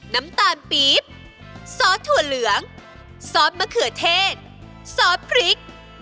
น้ำตาลปี๊บซอสถั่วเหลืองซอสมะเขือเทศซอสพริก